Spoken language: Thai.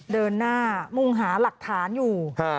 เดินหน้ามุ่งหาหลักฐานอยู่